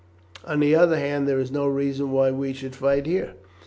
On the other hand, there is no reason why we should fight here.